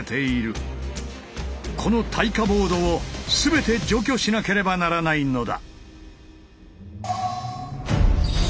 この耐火ボードを全て除去しなければならないのだ。